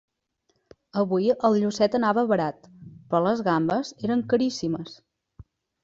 Avui el llucet anava barat, però les gambes eren caríssimes.